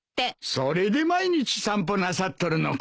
それで毎日散歩なさっとるのか。